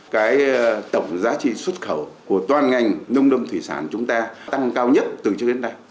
cái tổng giá trị xuất khẩu của toàn ngành nông lâm thủy sản chúng ta tăng cao nhất từ trước đến nay